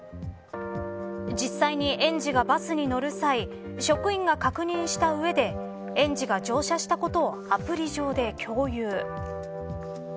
実際に、園児がバスに乗る際職員が確認した上で園児が乗車したことをアプリ上で共有。